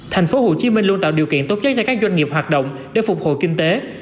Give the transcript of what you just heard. tp hcm luôn tạo điều kiện tốt nhất cho các doanh nghiệp hoạt động để phục hồi kinh tế